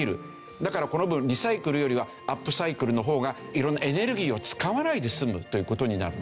だからこの分リサイクルよりはアップサイクルの方が色んなエネルギーを使わないで済むという事になるんですよね。